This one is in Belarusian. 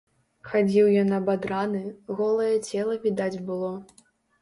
Хадзіў ён абадраны, голае цела відаць было.